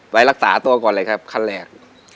๑ล้านบาทไม่ยากพิษนอก